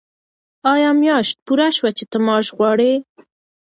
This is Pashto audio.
آیا میاشت پوره شوه چې ته معاش غواړې؟